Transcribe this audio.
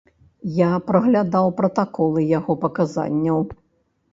Я праглядаў пратаколы яго паказанняў.